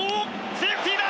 セーフティーだ！